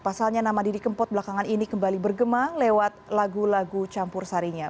pasalnya nama didi kempot belakangan ini kembali bergema lewat lagu lagu campur sarinya